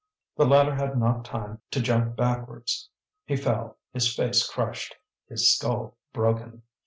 The latter had not time to jump backwards. He fell, his face crushed, his skull broken.